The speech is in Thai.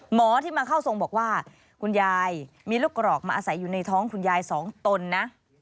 หมอที่มาเข้าทรงบอกว่าคุณยายมีลูกกรอกมาอาศัยอยู่ในท้องคุณยายสองตนนะ